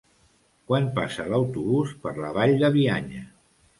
Quan passa l'autobús per la Vall de Bianya?